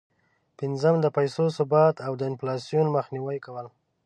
پنځم: د پیسو ثبات او د انفلاسون مخنیوی کول.